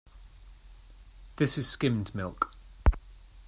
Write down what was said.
This is skimmed milk.